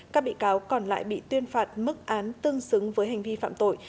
các bị cáo còn lại bị tuyên phạt mức án tương xứng với hành vi phạm tội